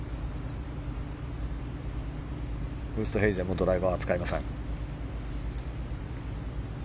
ウーストヘイゼンもドライバーを使いません。